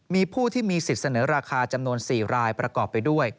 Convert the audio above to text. มีผู้ที่มีสิทธิ์เสนอราคาจำนวน๔รายประกอบไปด้วย